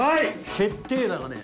決定打がねえ。